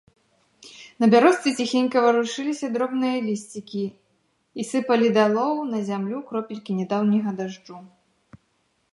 На бярозцы ціхенька варушыліся дробныя лісцікі і сыпалі далоў, на зямлю, кропелькі нядаўняга дажджу.